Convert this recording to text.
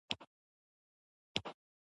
افغانستان د جواهرات له پلوه متنوع دی.